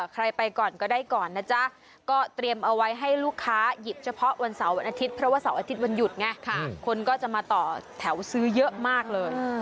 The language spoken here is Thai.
ใครไปก่อนก็ได้ก่อนนะจ๊ะก็เตรียมเอาไว้ให้ลูกค้าหยิบเฉพาะวันเสาร์วันอาทิตย์เพราะว่าเสาร์อาทิตย์วันหยุดไงคนก็จะมาต่อแถวซื้อเยอะมากเลย